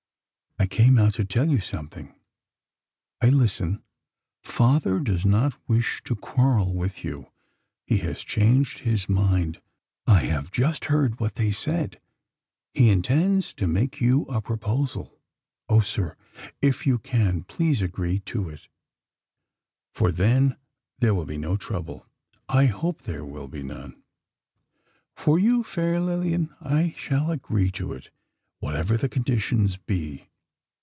I came out to tell you something." "I listen." "Father does not now wish to quarrel with you: he has changed his mind. I have just heard what they said. He intends to make you a proposal. Oh, sir! if you can, please agree to it; for then there will be no trouble. I hope there will be none!" "For you, fair Lilian, I shall agree to it whatever the conditions be.